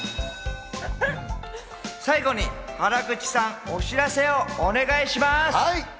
最後に原口さん、お知らせをお願いします。